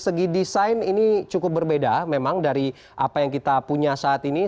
segi desain ini cukup berbeda memang dari apa yang kita punya saat ini